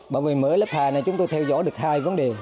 bởi vì mỗi lớp hà này chúng tôi theo dõi được hai vấn đề